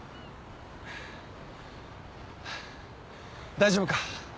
大丈夫か？